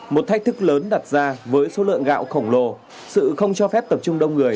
một thách thức lớn đặt ra với số lượng gạo khổng lồ sự không cho phép tập trung đông người